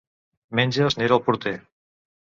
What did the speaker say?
Menges n'era el porter.